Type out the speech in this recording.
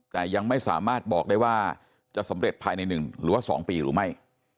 แต่ยังไม่สามารถบอกได้ว่าจะสำเร็จภายใน๑หรือว่า๒ปีหรือไม่